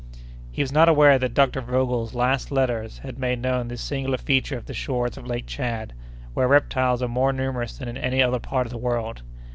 He was not aware that Dr. Vogel's last letters had made known this singular feature of the shores of Lake Tchad, where reptiles are more numerous than in any other part of the world.